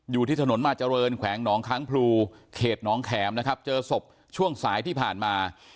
อยู่ที่ถนนมาเจริญแขวงหนองค้างพลูเขตน้องแขมนะครับเจอศพช่วงสายที่ผ่านมา